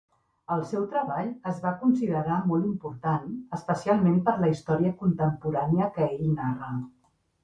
El seu treball es va considera molt important, especialment per la història contemporània que ell narra.